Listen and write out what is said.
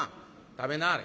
「食べなはれ。